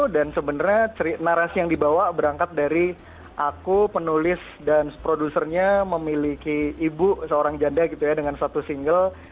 dan sebenarnya narasi yang dibawa berangkat dari aku penulis dan produsernya memiliki ibu seorang janda gitu ya dengan satu single